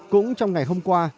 cũng trong ngày hôm qua